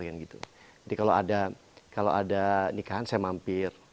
jadi kalau ada nikahan saya mampir